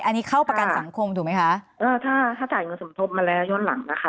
อันนี้เข้าประกันสังคมถูกไหมคะเอ่อถ้าถ้าจ่ายเงินสมทบมาแล้วย้อนหลังนะคะ